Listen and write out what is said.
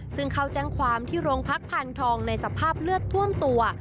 ซึ่งเข้าแจ้งความที่โรงพักพานทองในสภาพเลือดท่วมตัว